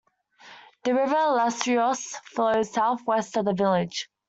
The river Larissos flows southwest of the village.